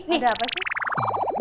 udah apa sih